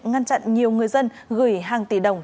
ngăn chặn nhiều người dân gửi hàng tỷ đồng